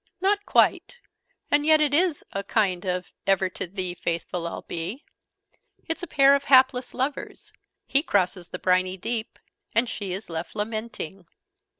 "Not quite: and yet it is a kind of 'ever to thee faithful I'll be!' It's a pair of hapless lovers: he crosses the briny deep: and she is left lamenting."